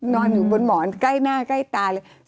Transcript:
นอนอยู่บนหมอนใกล้หน้าใกล้ตาเลย